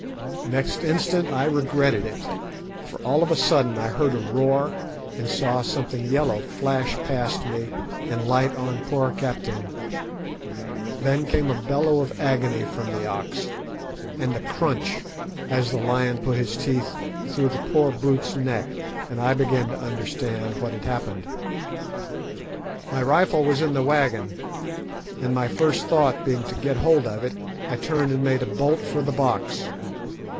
"Next instant I regretted it, for all of a sudden I heard a roar and saw something yellow flash past me and light on poor Kaptein. Then came a bellow of agony from the ox, and a crunch as the lion put his teeth through the poor brute's neck, and I began to understand what had happened. My rifle was in the waggon, and my first thought being to get hold of it, I turned and made a bolt for the box.